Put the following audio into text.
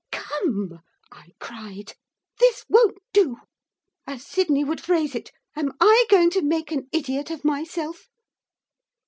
'Come!' I cried. 'This won't do! As Sydney would phrase it, am I going to make an idiot of myself?